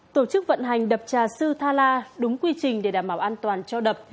tổ chức vận hành đập trà sư tha la đúng quy trình để đảm bảo an toàn cho đập